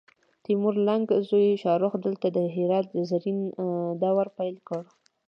د تیمور لنګ زوی شاهرخ دلته د هرات زرین دور پیل کړ